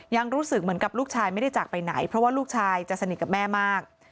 ยังรู้สึกเหมือนกับลูกชายไม่ได้จากไปไหนเพราะว่าลูกชายจะสนิทกับแม่มาก